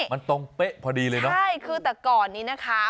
มันตรงเป๊ะพอดีเลยเนอะใช่คือแต่ก่อนนี้นะคะ